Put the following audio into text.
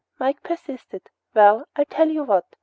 Mike persisted. "Well, I'll tell you what.